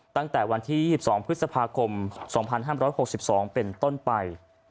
ตั้งแต่วันที่๒๒พฤษภาคม๒๕๖๒เป็นต้นไป